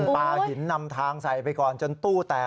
ปลาหินนำทางใส่ไปก่อนจนตู้แตก